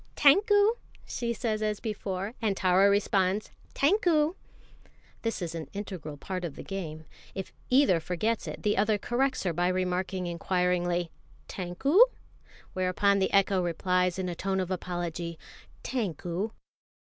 "Tankou!" she says as before, and Tara responds "Tankou!" This is an integral part of the game. If either forgets it, the other corrects her by remarking inquiringly, "Tankou?" whereupon the echo replies in a tone of apology, "Tankou!"